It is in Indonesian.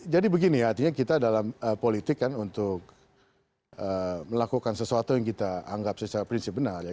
jadi begini ya artinya kita dalam politik kan untuk melakukan sesuatu yang kita anggap secara prinsip benar ya